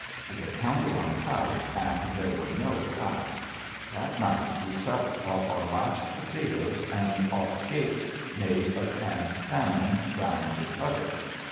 We had counted on trout, and there were no trout. That night, we supped off our last potatoes and off cakes made of canned salmon browned in butter.